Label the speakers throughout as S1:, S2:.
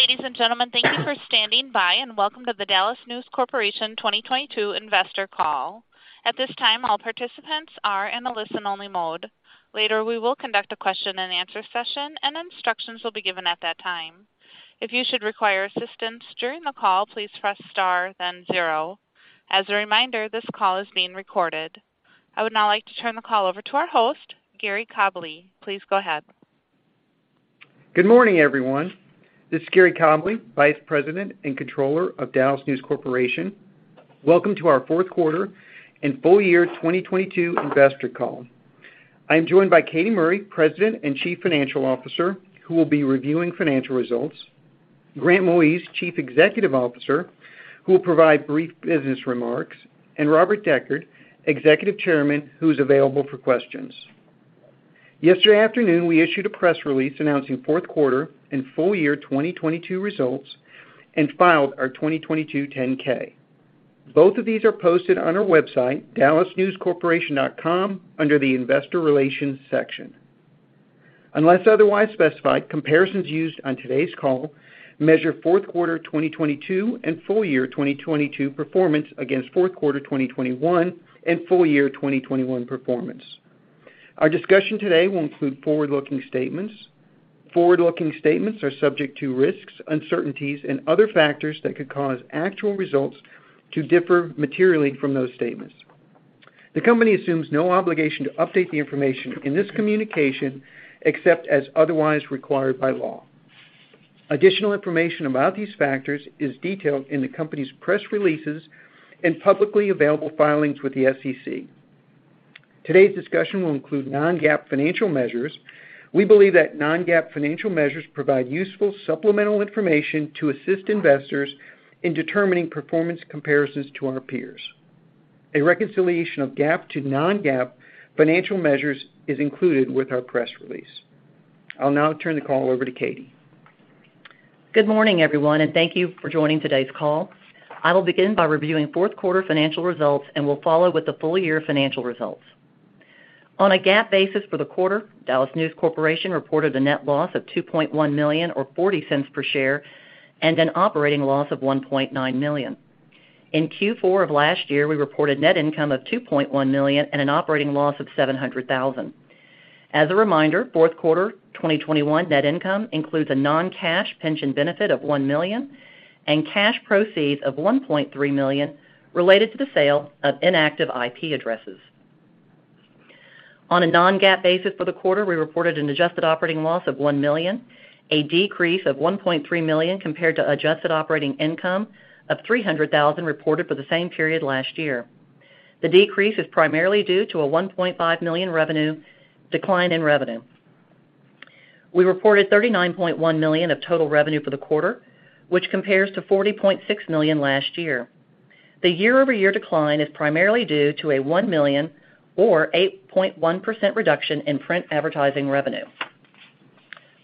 S1: Ladies and gentlemen, thank you for standing by, and welcome to the DallasNews Corporation 2022 investor call. At this time, all participants are in a listen-only mode. Later, we will conduct a question-and-answer session, and instructions will be given at that time. If you should require assistance during the call, please press star then zero. As a reminder, this call is being recorded. I would now like to turn the call over to our host, Gary Cobleigh. Please go ahead.
S2: Good morning, everyone. This is Gary Cobleigh, vice president and controller of DallasNews Corporation. Welcome to our fourth quarter and full year 2022 investor call. I am joined by Katy Murray, president and chief financial officer, who will be reviewing financial results, Grant Moise, chief executive officer, who will provide brief business remarks, and Robert Decherd, executive chairman, who's available for questions. Yesterday afternoon, we issued a press release announcing fourth quarter and full year 2022 results and filed our 2022 10-K. Both of these are posted on our website, dallasnewscorporation.com, under the Investor Relations section. Unless otherwise specified, comparisons used on today's call measure fourth quarter 2022 and full year 2022 performance against fourth quarter 2021 and full year 2021 performance. Our discussion today will include forward-looking statements. Forward-looking statements are subject to risks, uncertainties, and other factors that could cause actual results to differ materially from those statements. The company assumes no obligation to update the information in this communication, except as otherwise required by law. Additional information about these factors is detailed in the company's press releases and publicly available filings with the SEC. Today's discussion will include non-GAAP financial measures. We believe that non-GAAP financial measures provide useful supplemental information to assist investors in determining performance comparisons to our peers. A reconciliation of GAAP to non-GAAP financial measures is included with our press release. I'll now turn the call over to Katy.
S3: Good morning, everyone, thank you for joining today's call. I will begin by reviewing fourth quarter financial results and will follow with the full year financial results. On a GAAP basis for the quarter, DallasNews Corporation reported a net loss of $2.1 million or $0.40 per share and an operating loss of $1.9 million. In Q4 of last year, we reported net income of $2.1 million and an operating loss of $700,000. As a reminder, fourth quarter 2021 net income includes a non-cash pension benefit of $1 million and cash proceeds of $1.3 million related to the sale of inactive IP addresses. On a non-GAAP basis for the quarter, we reported an adjusted operating loss of $1 million, a decrease of $1.3 million compared to adjusted operating income of $300,000 reported for the same period last year. The decrease is primarily due to a $1.5 million decline in revenue. We reported $39.1 million of total revenue for the quarter, which compares to $40.6 million last year. The year-over-year decline is primarily due to a $1 million or 8.1% reduction in print advertising revenue.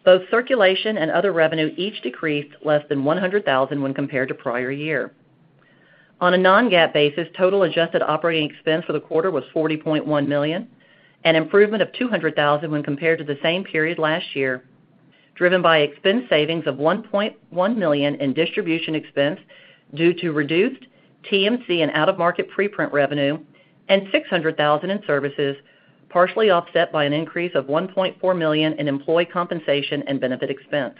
S3: Both circulation and other revenue each decreased less than $100,000 when compared to prior year. On a non-GAAP basis, total adjusted operating expense for the quarter was $40.1 million, an improvement of $200,000 when compared to the same period last year, driven by expense savings of $1.1 million in distribution expense due to reduced TMC and out-of-market preprint revenue and $600,000 in services, partially offset by an increase of $1.4 million in employee compensation and benefit expense.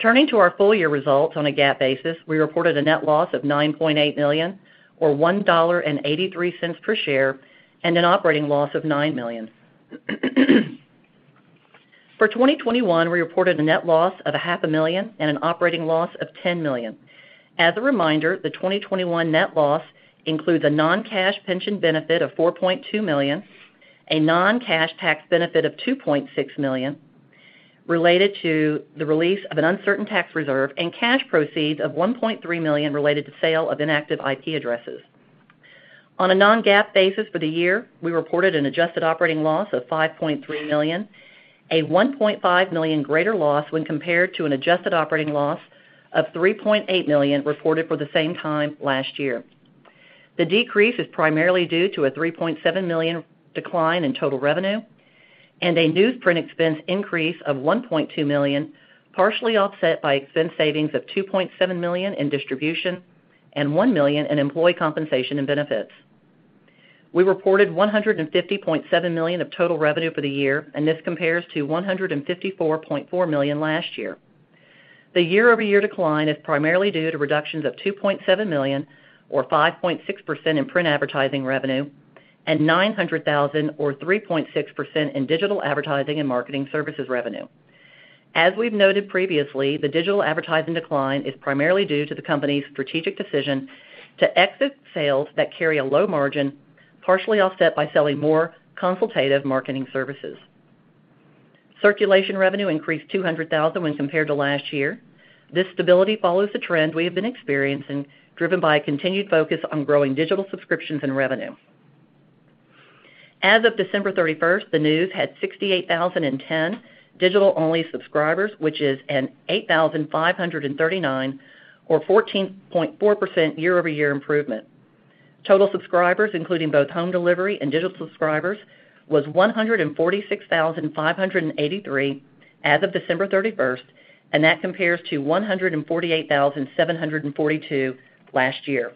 S3: Turning to our full year results on a GAAP basis, we reported a net loss of $9.8 million or $1.83 per share and an operating loss of $9 million. For 2021, we reported a net loss of a half a million and an operating loss of $10 million. As a reminder, the 2021 net loss includes a non-cash pension benefit of $4.2 million, a non-cash tax benefit of $2.6 million related to the release of an uncertain tax reserve, and cash proceeds of $1.3 million related to sale of inactive IP addresses. On a non-GAAP basis for the year, we reported an adjusted operating loss of $5.3 million, a $1.5 million greater loss when compared to an adjusted operating loss of $3.8 million reported for the same time last year. The decrease is primarily due to a $3.7 million decline in total revenue and a newsprint expense increase of $1.2 million, partially offset by expense savings of $2.7 million in distribution and $1 million in employee compensation and benefits. We reported $150.7 million of total revenue for the year. This compares to $154.4 million last year. The year-over-year decline is primarily due to reductions of $2.7 million or 5.6% in print advertising revenue and $900,000 or 3.6% in digital advertising and marketing services revenue. As we've noted previously, the digital advertising decline is primarily due to the company's strategic decision to exit sales that carry a low margin, partially offset by selling more consultative marketing services. Circulation revenue increased $200,000 when compared to last year. This stability follows the trend we have been experiencing, driven by a continued focus on growing digital subscriptions and revenue. As of December 31st, The News had 68,010 digital-only subscribers, which is an 8,539 or 14.4% year-over-year improvement. Total subscribers, including both home delivery and digital subscribers, was 146,583 as of December 31st, that compares to 148,742 last year.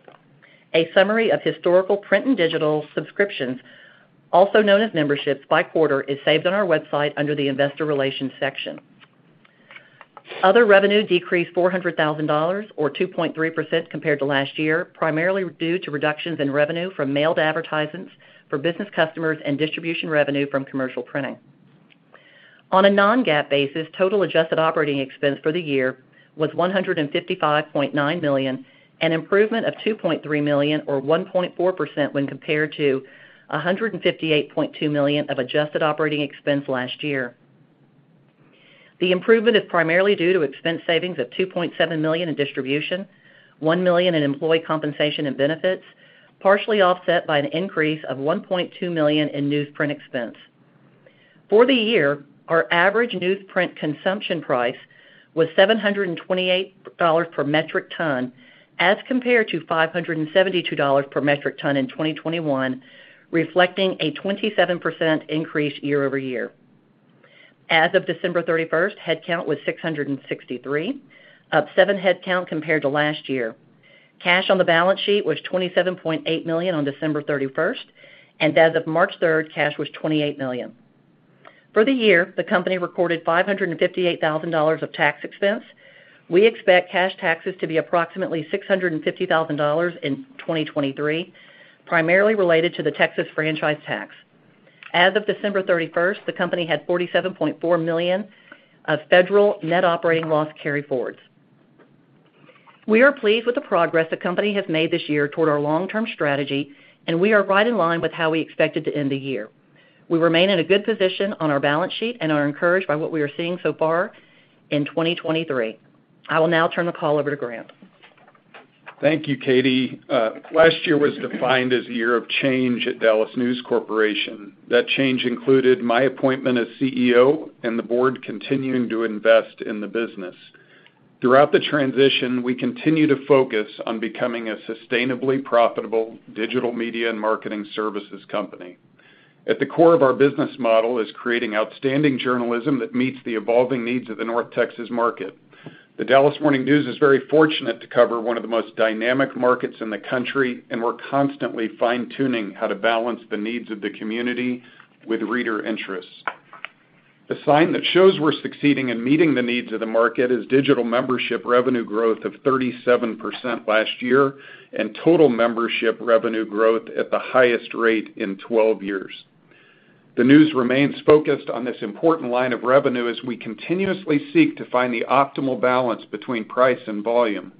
S3: A summary of historical print and digital subscriptions, also known as memberships by quarter, is saved on our website under the Investor Relations section. Other revenue decreased $400,000, or 2.3% compared to last year, primarily due to reductions in revenue from mailed advertisements for business customers and distribution revenue from commercial printing. On a non-GAAP basis, total adjusted operating expense for the year was $155.9 million, an improvement of $2.3 million or 1.4% when compared to $158.2 million of adjusted operating expense last year. The improvement is primarily due to expense savings of $2.7 million in distribution, $1 million in employee compensation and benefits, partially offset by an increase of $1.2 million in newsprint expense. For the year, our average newsprint consumption price was $728 per metric ton as compared to $572 per metric ton in 2021, reflecting a 27% increase year-over-year. As of December 31st, headcount was 663, up 7 headcount compared to last year. Cash on the balance sheet was $27.8 million on December 31, and as of March 3, cash was $28 million. For the year, the company recorded $558,000 of tax expense. We expect cash taxes to be approximately $650,000 in 2023, primarily related to the Texas franchise tax. As of December 31, the company had $47.4 million of federal net operating loss carryforwards. We are pleased with the progress the company has made this year toward our long-term strategy, and we are right in line with how we expected to end the year. We remain in a good position on our balance sheet and are encouraged by what we are seeing so far in 2023. I will now turn the call over to Grant.
S4: Thank you, Katy. Last year was defined as a year of change at DallasNews Corporation. That change included my appointment as CEO and the board continuing to invest in the business. Throughout the transition, we continue to focus on becoming a sustainably profitable digital media and marketing services company. At the core of our business model is creating outstanding journalism that meets the evolving needs of the North Texas market. The Dallas Morning News is very fortunate to cover one of the most dynamic markets in the country, and we're constantly fine-tuning how to balance the needs of the community with reader interests. The sign that shows we're succeeding in meeting the needs of the market is digital membership revenue growth of 37% last year and total membership revenue growth at the highest rate in 12 years. The News remains focused on this important line of revenue as we continuously seek to find the optimal balance between price and volume.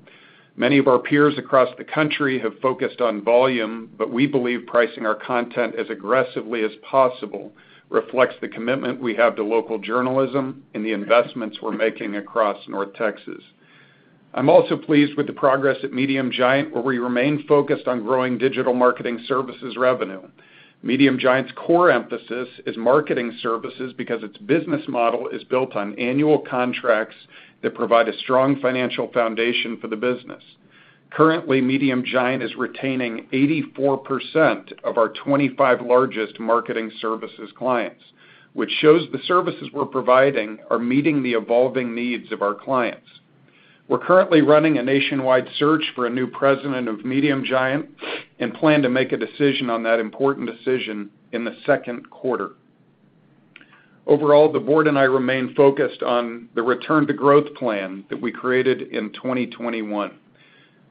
S4: Many of our peers across the country have focused on volume. We believe pricing our content as aggressively as possible reflects the commitment we have to local journalism and the investments we're making across North Texas. I'm also pleased with the progress at Medium Giant, where we remain focused on growing digital marketing services revenue. Medium Giant's core emphasis is marketing services because its business model is built on annual contracts that provide a strong financial foundation for the business. Currently, Medium Giant is retaining 84% of our 25 largest marketing services clients, which shows the services we're providing are meeting the evolving needs of our clients. We're currently running a nationwide search for a new president of Medium Giant and plan to make a decision on that important decision in the second quarter. Overall, the board and I remain focused on the Return to Growth plan that we created in 2021.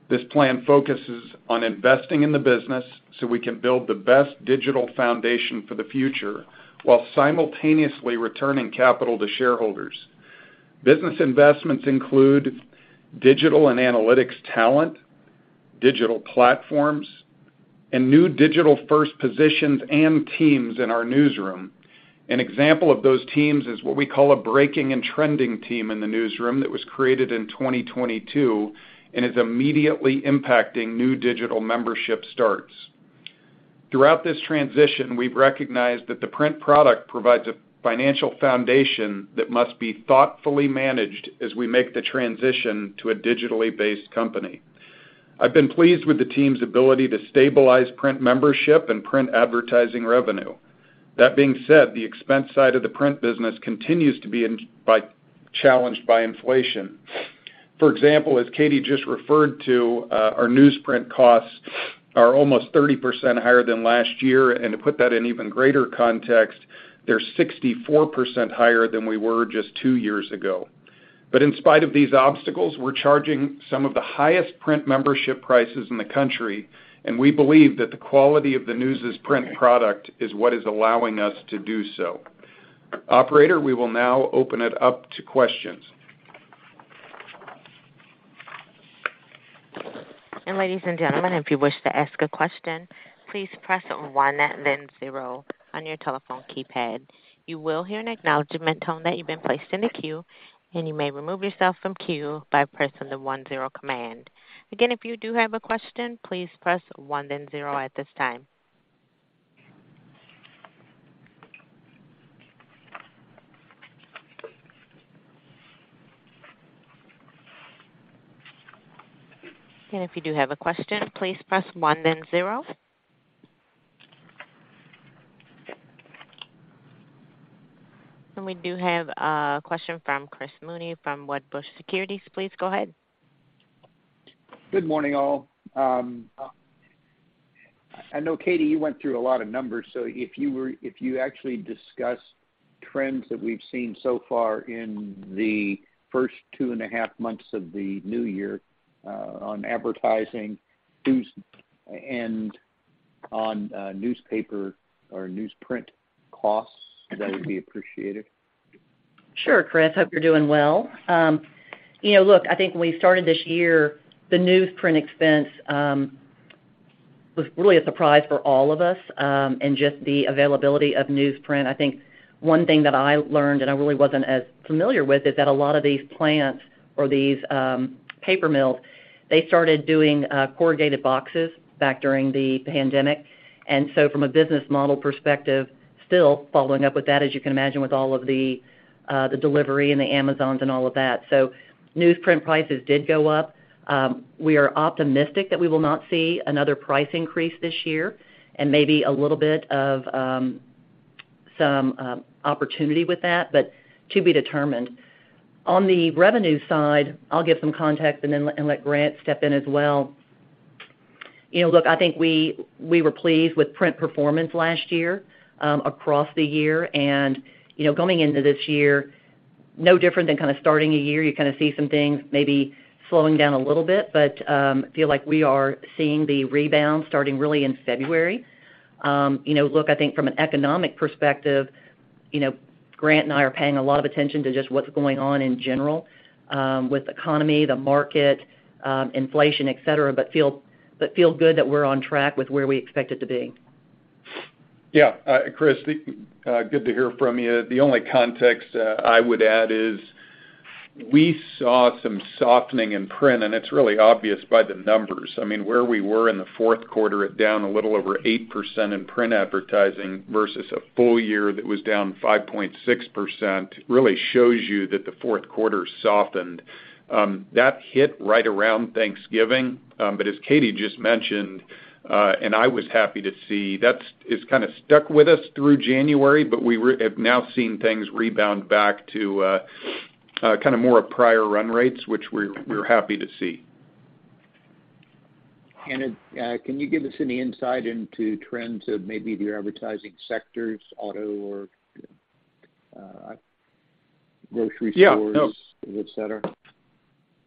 S4: This plan focuses on investing in the business so we can build the best digital foundation for the future while simultaneously returning capital to shareholders. Business investments include digital and analytics talent, digital platforms, and new digital-first positions and teams in our newsroom. An example of those teams is what we call a breaking and trending team in the newsroom that was created in 2022 and is immediately impacting new digital membership starts. Throughout this transition, we've recognized that the print product provides a financial foundation that must be thoughtfully managed as we make the transition to a digitally based company. I've been pleased with the team's ability to stabilize print membership and print advertising revenue. That being said, the expense side of the print business continues to be challenged by inflation. For example, as Katy just referred to, our newsprint costs are almost 30% higher than last year, and to put that in even greater context, they're 64% higher than we were just two years ago. In spite of these obstacles, we're charging some of the highest print membership prices in the country, and we believe that the quality of the News' print product is what is allowing us to do so. Operator, we will now open it up to questions.
S3: Ladies and gentlemen, if you wish to ask a question, please press one then zero on your telephone keypad. You will hear an acknowledgment tone that you've been placed in the queue, and you may remove yourself from queue by pressing the one zero command. Again, if you do have a question, please press one then zero at this time.
S1: If you do have a question, please press one then zero. We do have a question from Chris Mooney from Wedbush Securities. Please go ahead.
S5: Good morning, all. I know, Katy, you went through a lot of numbers. If you actually discuss trends that we've seen so far in the first two and a half months of the new year, on advertising news and on newspaper or newsprint costs, that would be appreciated.
S3: Sure, Chris. Hope you're doing well. You know, look, I think when we started this year, the newsprint expense was really a surprise for all of us, and just the availability of newsprint. I think one thing that I learned, and I really wasn't as familiar with, is that a lot of these plants or these paper mills, they started doing corrugated boxes back during the pandemic. From a business model perspective, still following up with that, as you can imagine, with all of the delivery and the Amazon and all of that. Newsprint prices did go up. We are optimistic that we will not see another price increase this year and maybe a little bit of some opportunity with that, but to be determined. On the revenue side, I'll give some context and then let Grant step in as well. You know, look, I think we were pleased with print performance last year, across the year. You know, going into this year, no different than kind of starting a year. You kind of see some things maybe slowing down a little bit, but feel like we are seeing the rebound starting really in February. You know, look, I think from an economic perspective, you know, Grant and I are paying a lot of attention to just what's going on in general, with the economy, the market, inflation, etc., but feel good that we're on track with where we expect it to be.
S4: Yeah, Chris, good to hear from you. The only context I would add is we saw some softening in print, and it's really obvious by the numbers. I mean, where we were in the fourth quarter at down a little over 8% in print advertising versus a full year that was down 5.6% really shows you that the fourth quarter softened. That hit right around Thanksgiving. As Katy just mentioned, and I was happy to see, it's kind of stuck with us through January, but we have now seen things rebound back to kind of more of prior run rates, which we're happy to see.
S5: Can you give us any insight into trends of maybe the advertising sectors, auto or grocery stores...
S4: Yeah,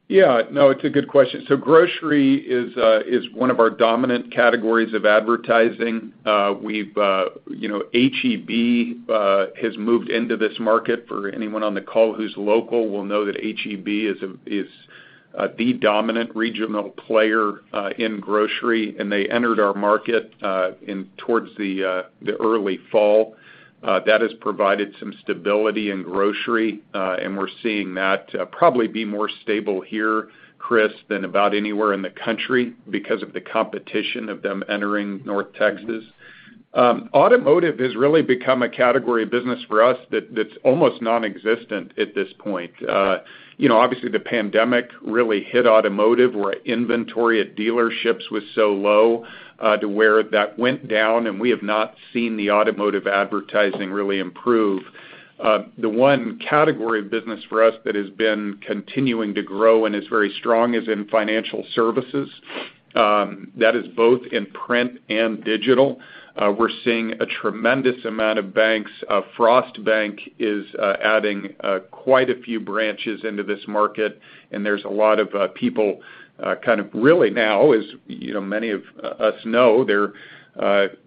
S4: no.
S5: etc.?
S4: Yeah, no, it's a good question. Grocery is one of our dominant categories of advertising. We've, you know, H-E-B has moved into this market. For anyone on the call who's local will know that H-E-B is the dominant regional player in grocery, they entered our market in towards the early fall. That has provided some stability in grocery, we're seeing that probably be more stable here, Chris, than about anywhere in the country because of the competition of them entering North Texas. Automotive has really become a category of business for us that's almost nonexistent at this point. You know, obviously the pandemic really hit automotive, where inventory at dealerships was so low, to where that went down, we have not seen the automotive advertising really improve. The one category of business for us that has been continuing to grow and is very strong is in financial services. That is both in print and digital. We're seeing a tremendous amount of banks. Frost Bank is adding quite a few branches into this market, and there's a lot of people kind of really now, as you know, many of us know, they're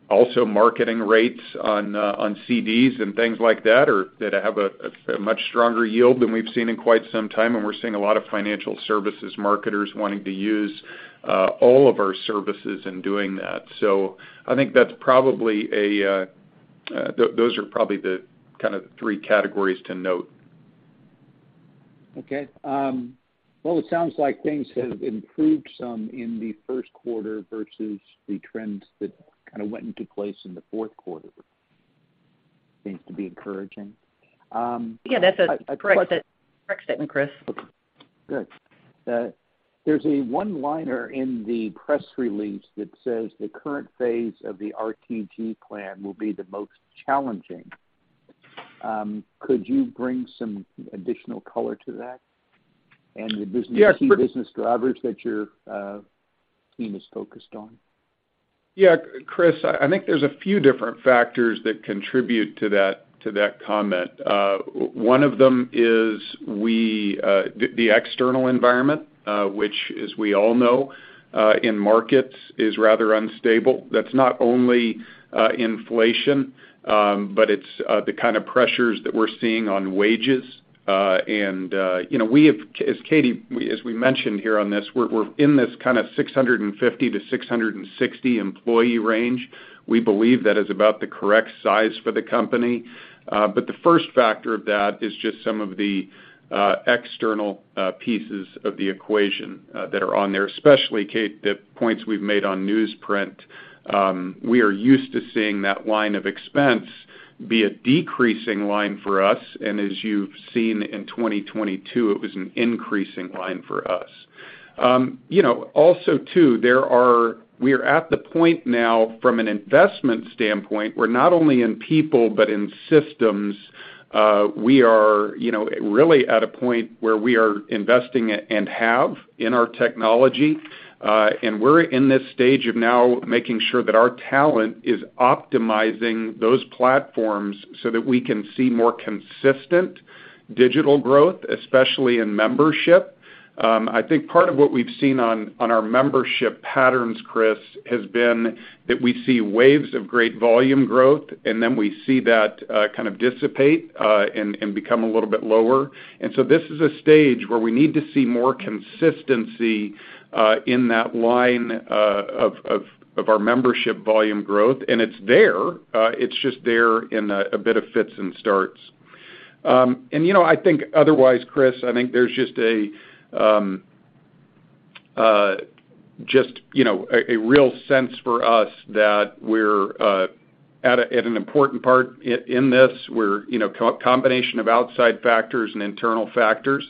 S4: also marketing rates on on CDs and things like that or that have a much stronger yield than we've seen in quite some time. And we're seeing a lot of financial services marketers wanting to use all of our services in doing that. I think that's probably a, those are probably the kind of three categories to note.
S5: Okay. Well, it sounds like things have improved some in the first quarter versus the trends that kind of went into place in the fourth quarter. Seems to be encouraging.
S3: Yeah, that's a correct statement, Chris.
S5: Okay, good. There's a one-liner in the press release that says the current phase of the RTG Plan will be the most challenging. Could you bring some additional color to that?
S4: Yeah...
S5: key business drivers that your team is focused on?
S4: Yeah, Chris, I think there's a few different factors that contribute to that comment. One of them is the external environment, which as we all know, in markets is rather unstable. That's not only inflation, but it's the kind of pressures that we're seeing on wages. You know, as Katy mentioned here on this, we're in this kind of 650 to 660 employee range. We believe that is about the correct size for the company. The first factor of that is just some of the external pieces of the equation that are on there, especially, Katy, the points we've made on newsprint. We are used to seeing that line of expense be a decreasing line for us, and as you've seen in 2022, it was an increasing line for us. You know, also too, we are at the point now from an investment standpoint, where not only in people but in systems, we are, you know, really at a point where we are investing and have in our technology. We're in this stage of now making sure that our talent is optimizing those platforms so that we can see more consistent digital growth, especially in membership. I think part of what we've seen on our membership patterns, Chris, has been that we see waves of great volume growth, and then we see that, kind of dissipate, and become a little bit lower. This is a stage where we need to see more consistency in that line of our membership volume growth. It's there, it's just there in a bit of fits and starts. You know, I think otherwise, Chris, I think there's just a, just, you know, a real sense for us that we're at an important part in this. We're, you know, combination of outside factors and internal factors.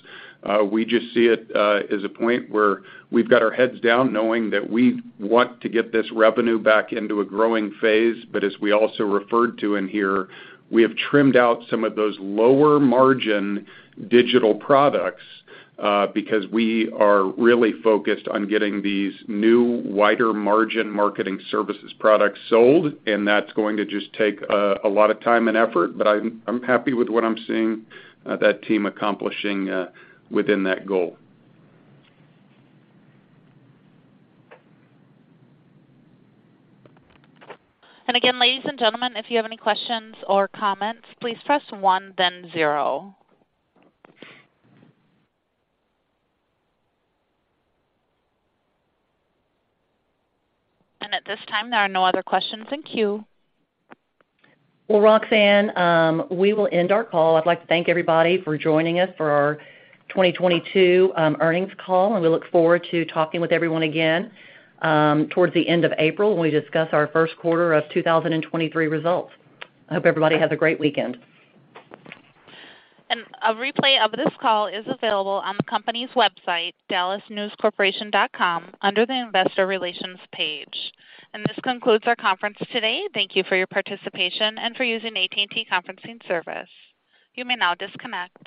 S4: We just see it as a point where we've got our heads down knowing that we want to get this revenue back into a growing phase. As we also referred to in here, we have trimmed out some of those lower margin digital products, because we are really focused on getting these new wider margin marketing services products sold, and that's going to just take a lot of time and effort. I'm happy with what I'm seeing that team accomplishing within that goal.
S1: Again, ladies and gentlemen, if you have any questions or comments, please press one then zero. At this time, there are no other questions in queue.
S3: Well, Roxanne, we will end our call. I'd like to thank everybody for joining us for our 2022 earnings call, and we look forward to talking with everyone again towards the end of April when we discuss our first quarter of 2023 results. I hope everybody has a great weekend.
S1: A replay of this call is available on the company's website, dallasnewscorporation.com, under the Investor Relations page. This concludes our conference today. Thank you for your participation and for using AT&T conferencing service. You may now disconnect.